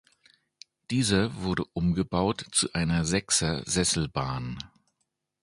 Dieser wurde umgebaut zu einer Sechser-Sesselbahn.